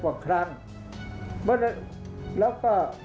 ภาคอีสานแห้งแรง